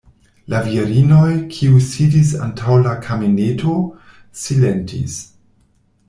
La virinoj, kiuj sidis antaŭ la kameneto, silentis.